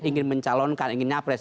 ingin mencalonkan ingin nyapres